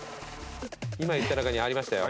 今言った中にありましたよ。